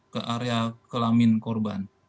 ke area kelamin korban